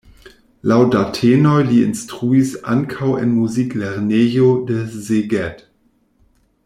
Laŭ datenoj li instruis ankaŭ en muziklernejo de Szeged.